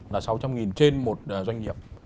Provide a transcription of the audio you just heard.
là sáu trăm linh ngàn trên một doanh nghiệp